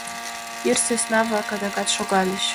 Ир сӧсна-влак адакат шогальыч.